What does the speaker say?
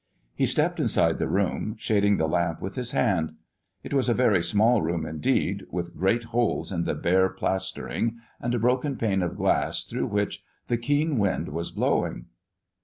He stepped inside the room, shading the lamp with his hand. It was a very small room indeed, with great holes in the bare plastering, and a broken pane of glass through which the keen wind was blowing.